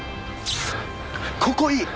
ここいい。